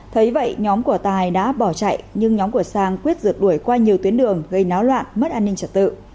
thấy vậy nhóm của tài đã bỏ chạy nhưng nhóm của sang quyết rượt đuổi qua nhiều tuyến đường gây náo loạn mất an ninh trật tự